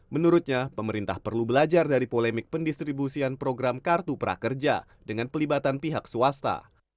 menurutnya pemerintah perlu belajar dari polemik pendistribusian program kartu prakerja dengan pelibatan pihak swasta